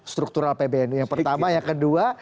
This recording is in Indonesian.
struktural pbnu yang pertama yang kedua